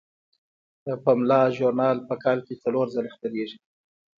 پملا ژورنال په کال کې څلور ځله خپریږي.